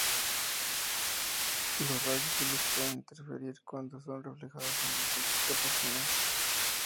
Los rayos de luz pueden interferir cuando son reflejados en diferentes capas finas.